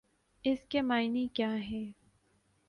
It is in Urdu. اس کے معانی کیا ہیں؟